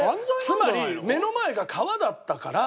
つまり目の前が川だったから。